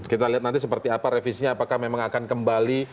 kita lihat nanti seperti apa revisinya apakah memang akan kembali